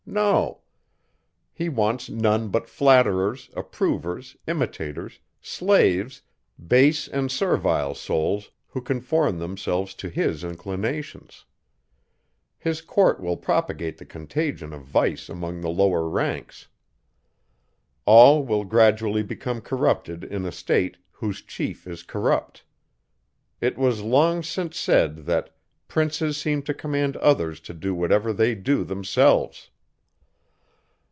No. He wants none but flatterers, approvers, imitators, slaves, base and servile souls, who conform themselves to his inclinations. His court will propagate the contagion of vice among the lower ranks. All will gradually become corrupted in a state, whose chief is corrupt. It was long since said, that "Princes seem to command others to do whatever they do themselves."